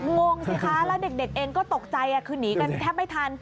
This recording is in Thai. งงสิคะแล้วเด็กเองก็ตกใจคือหนีกันแทบไม่ทัน